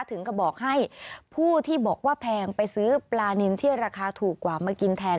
ถึงกระบอกให้ผู้ที่บอกว่าแพงไปซื้อปลานินที่ราคาถูกกว่ามากินแทน